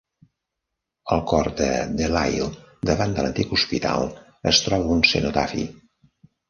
Al cor de Delisle, davant de l'antic hospital, es troba un cenotafi.